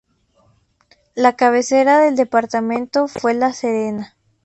La cabecera del departamento fue La Serena.